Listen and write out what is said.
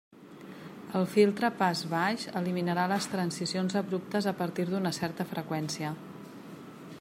El filtre pas baix eliminarà les transicions abruptes a partir d'una certa freqüència.